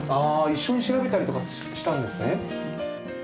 一緒に調べたりとかしたんですね。